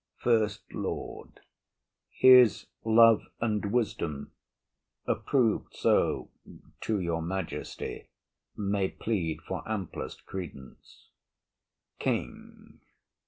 FIRST LORD. His love and wisdom, Approv'd so to your majesty, may plead For amplest credence. KING.